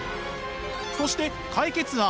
そして解決案